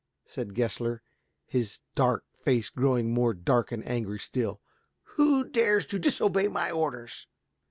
said Gessler, his dark face growing more dark and angry still. "Who dares to disobey my orders?"